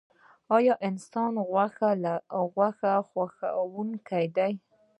ایا انسان غوښه خوړونکی دی؟